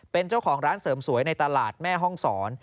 เป็นเจ้าของร้านเสริมสวยในตลาดแม่ห้องศร